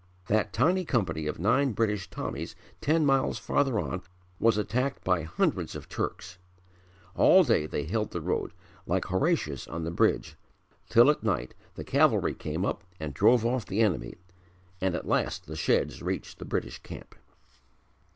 That tiny company of nine British Tommies ten miles farther on was attacked by hundreds of Turks. All day they held the road, like Horatius on the bridge, till at night the Cavalry came up and drove off the enemy, and at last the Shedds reached the British camp.